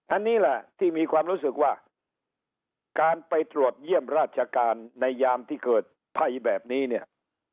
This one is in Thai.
อันนี้แหละที่มีความรู้สึกว่าการไปตรวจเยี่ยมราชการในยามที่เกิดภัยแบบนี้เนี่ย